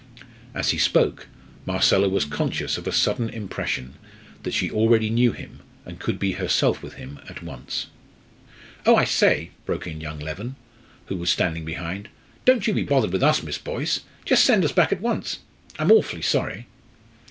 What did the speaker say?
As he spoke, Marcella was conscious of a sudden impression that she already knew him and could be herself with him at once. "Oh, I say," broke in young Leven, who was standing behind; "don't you be bothered with us, Miss Boyce. Just send us back at once. I'm awfully sorry!"